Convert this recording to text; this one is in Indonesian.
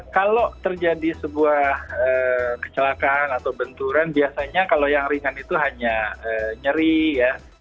kalau terjadi sebuah kecelakaan atau benturan biasanya kalau yang ringan itu hanya nyeri ya